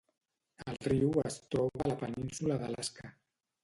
El riu es troba a la península d'Alaska.